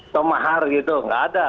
semahar gitu nggak ada